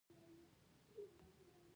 چې ښه پسې وګرځېدم پوه سوم.